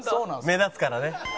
目立つからね。